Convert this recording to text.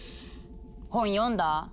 本読んだ？